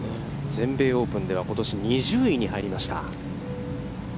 全米オープンではことし２０位に入りました。